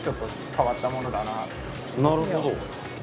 なるほど。